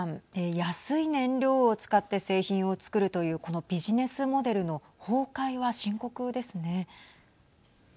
安い燃料を使って製品を造るというこのビジネスモデルの崩壊は深刻ですね。